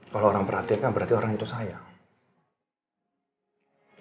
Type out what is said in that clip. kalau orang perhatian kan berarti orang itu sayang